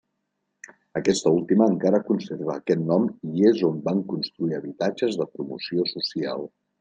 Aquesta última encara conserva aquest nom i és on van construir habitatges de promoció social.